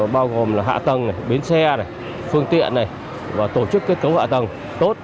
bao gồm là hạ tầng bến xe phương tiện và tổ chức kết cấu hạ tầng tốt